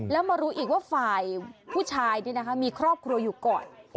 แล้วมารู้อีกว่าฝ่ายผู้ชายมีครอบครัวอยู่ก่อน